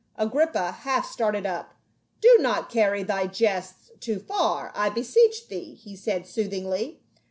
Agrippa half started up, " Do not carry thy jests too far, I beseech thee," he said soothingly.